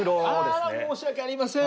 ああ申し訳ありません。